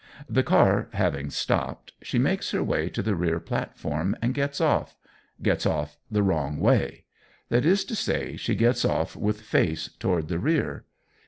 The car having stopped, she makes her way to the rear platform and gets off gets off the wrong way. That is to say, she gets off with face toward the rear.